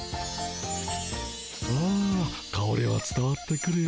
あかおりはつたわってくるよ。